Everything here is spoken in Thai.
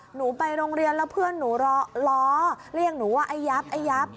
หนูไปโรงเรียนแล้วเพื่อนหนูล้อเรียกหนูว่าไอ้ยับไอ้ยับ